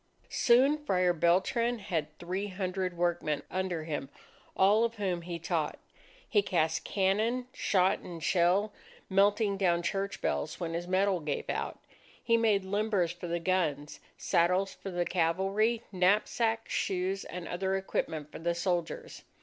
Soon Friar Beltran had three hundred workmen under him, all of whom he taught. He cast cannon, shot, and shell, melting down church bells when his metal gave out. He made limbers for the guns, saddles for the cavalry, knapsacks, shoes, and other equipment for the soldiers.